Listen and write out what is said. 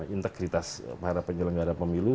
integritas para penyelenggara pemilu